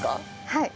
はい。